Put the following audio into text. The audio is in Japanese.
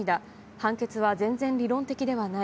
判決は全然理論的ではない。